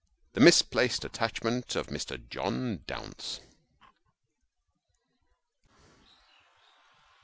THE MISPLACED ATTACHMENT OP MB. JOHN DOTTNCE.